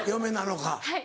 はい。